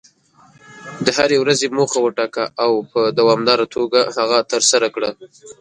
د هرې ورځې موخه وټاکه، او په دوامداره توګه هغه ترسره کړه.